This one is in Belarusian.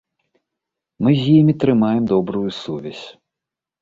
Мы з імі трымаем добрую сувязь.